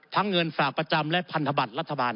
เงินฝากประจำและพันธบัตรรัฐบาล